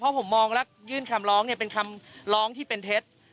เพราะผมมองแล้วยื่นคำร้องเนี่ยเป็นคำร้องที่เป็นเท็จ